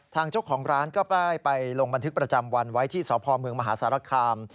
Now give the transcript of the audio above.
ทางเจ้าของร้านก็ได้ไปลงบันทึกประจำวันไว้ที่สพเมืองมหาสารคาม